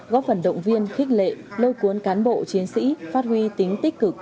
góp phần động viên khích lệ lôi cuốn cán bộ chiến sĩ phát huy tính tích cực